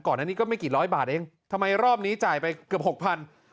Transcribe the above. อันนี้ก็ไม่กี่ร้อยบาทเองทำไมรอบนี้จ่ายไปเกือบหกพัน